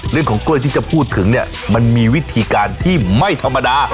เรื่องของกล้วยที่จะพูดถึงเนี่ยมันมีวิธีการที่ไม่ธรรมดา